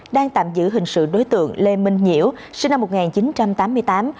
đang tạm giữ hình sự đối tượng lê minh nhiễu sinh năm một nghìn chín trăm tám mươi tám